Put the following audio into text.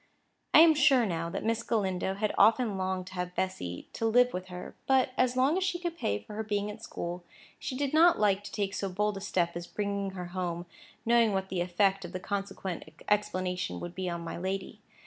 I am sure, now, that Miss Galindo had often longed to have Bessy to live with her; but, as long as she could pay for her being at school, she did not like to take so bold a step as bringing her home, knowing what the effect of the consequent explanation would be on my lady.